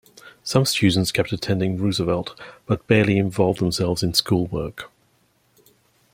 Some students kept attending Roosevelt, but barely involved themselves in the schoolwork.